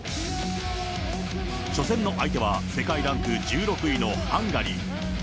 初戦の相手は世界ランク１６位のハンガリー。